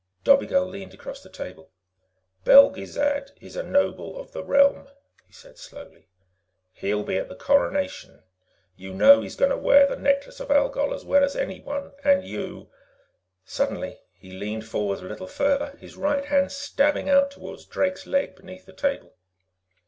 Dobigel leaned across the table. "Belgezad is a Noble of the Realm," he said slowly. "He'll be at the Coronation. You know he's going to wear the Necklace of Algol as well as anyone, and you " Suddenly, he leaned forward a little farther, his right hand stabbing out toward Drake's leg beneath the table.